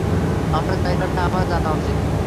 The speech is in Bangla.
আমার জায়গাটা আমার জানা উচিত।